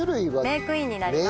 メークインになります。